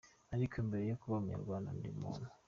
Ariko mbere yo kuba umunyarwanda, ndi umuntu.